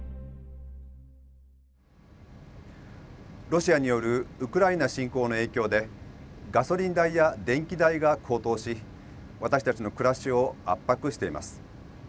ロシアによるウクライナ侵攻の影響でガソリン代や電気代が高騰し私たちの暮らしを圧迫しています。